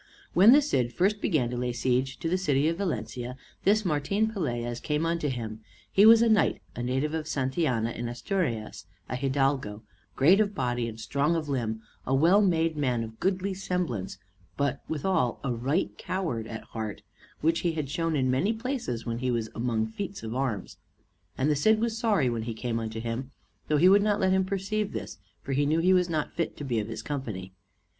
When the Cid first began to lay seige to the city of Valencia, this Martin Pelaez came unto him; he was a knight, a native of Santillana in Asturias, a hidalgo, great of body and strong of limb, a well made man and of goodly semblance, but withal a right coward at heart, which he had shown in many places when he was among feats of arms. And the Cid was sorry when he came unto him, though he would not let him perceive this; for he knew he was not fit to be of his company.